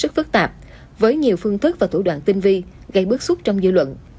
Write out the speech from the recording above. sức phức tạp với nhiều phương thức và thủ đoạn tinh vi gây bước xuất trong dự luận